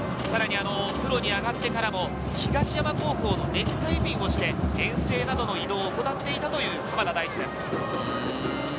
さらにプロに上がってからも、東山高校のネクタイピンをして、遠征などの移動を行っていたという鎌田大地です。